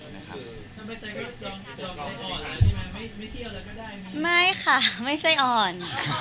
ไม่ค่ะไม่ใช่อ่อน